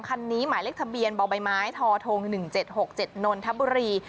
ขั้นนี้หมายเลขทะเบียนบอกใบไม้ทอทงหนึ่งเจ็ดหกเจ็ดลมถ้าบุรี